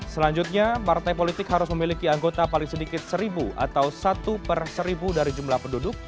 selanjutnya partai politik harus memiliki anggota paling sedikit seribu atau satu per seribu dari jumlah penduduk